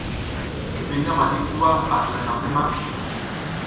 Ki ɓi ngama ɗik tuwa a zilaka mbri ma ?